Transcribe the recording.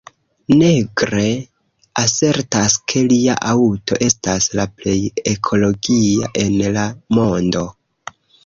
Negre asertas, ke lia aŭto estas la plej ekologia en la mondo.